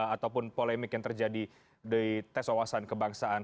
ataupun polemik yang terjadi di tes wawasan kebangsaan